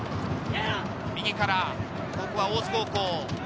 右からここは大津高校。